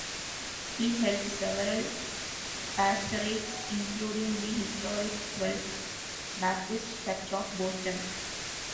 He held several pastorates, including the historic Twelfth Baptist Church of Boston.